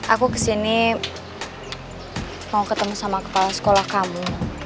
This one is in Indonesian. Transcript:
aku ke sini mau ketemu sama kepala sekolah kamu